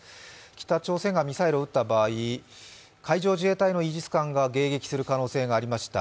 北朝鮮がミサイルを撃った場合、海上自衛隊のイージス艦が迎撃する可能性がありました。